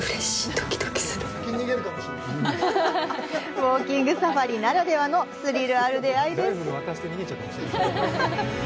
ウオーキングサファリならではのスリルある出会いです。